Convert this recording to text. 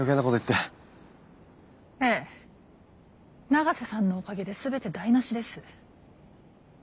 永瀬さんのおかげで全て台なしです。